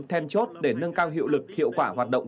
then chốt để nâng cao hiệu lực hiệu quả hoạt động